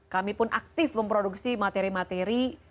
kami pun aktif memproduksi materi materi